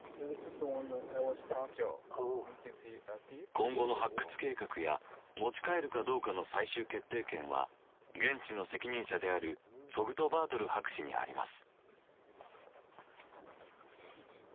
今後の発掘計画や持ち帰るかどうかの最終決定権は現地の責任者であるツォグトバートル博士にあります。